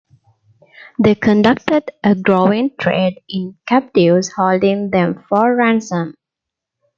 They conducted a growing trade in captives, holding them for ransom.